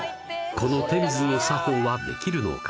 この手水の作法はできるのか？